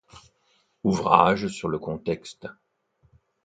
Ouvrages sur le contexte.